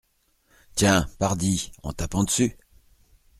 Tiens ! pardi ! en tapant dessus.